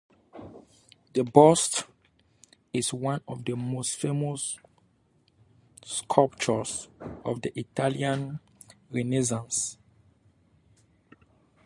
The bust is one of the most famous sculptures of the Italian Renaissance.